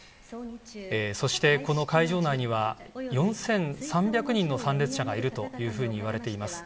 そして、この会場内には４３００人の参列者がいるというふうにいわれています。